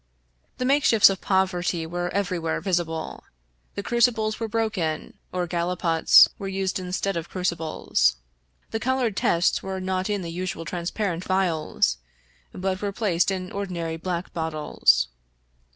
The makeshifts of poverty were everywhere visible. The crucibles were broken, or gallipots were used instead of crucibles. The colored tests were not in the usual trans parent vials, but were placed in ordinary black bottles.